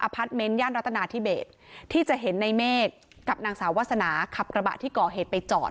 พาร์ทเมนต์ย่านรัฐนาธิเบสที่จะเห็นในเมฆกับนางสาววาสนาขับกระบะที่ก่อเหตุไปจอด